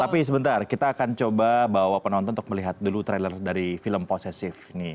tapi sebentar kita akan coba bawa penonton untuk melihat dulu trailer dari film posesif ini